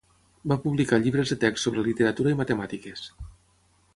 Va publicar llibres de text sobre literatura i matemàtiques.